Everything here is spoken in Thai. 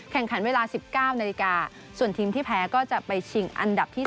แข่งขันเวลา๑๙นาฬิกาส่วนทีมที่แพ้ก็จะไปชิงอันดับที่๓